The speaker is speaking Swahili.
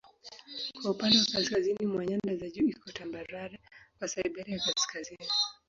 Kwa upande wa kaskazini mwa nyanda za juu iko tambarare ya Siberia ya Kaskazini.